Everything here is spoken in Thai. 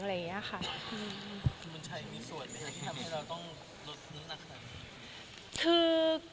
คุณบุญชัยมีส่วนอะไรที่ทำให้เราต้องลดนึกหนักนั้น